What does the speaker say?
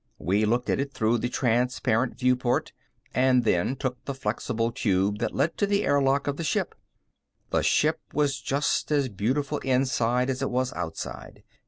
We looked at it through the transparent viewport, and then took the flexible tube that led to the air lock of the ship. The ship was just as beautiful inside as it was outside.